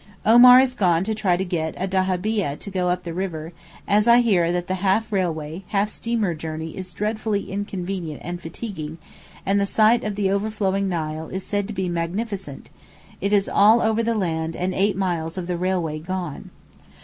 Omar is gone to try to get a dahabieh to go up the river, as I hear that the half railway, half steamer journey is dreadfully inconvenient and fatiguing, and the sight of the overflowing Nile is said to be magnificent, it is all over the land and eight miles of the railway gone.